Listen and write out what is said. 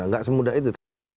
nggak semudah itu